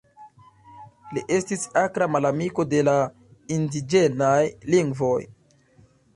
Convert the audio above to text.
Li estis akra malamiko de la indiĝenaj lingvoj.